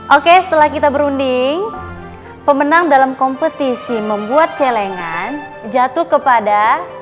oke setelah kita berunding pemenang dalam kompetisi membuat celengan jatuh kepada